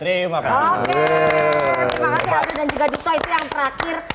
terima kasih aldi dan juga duto itu yang terakhir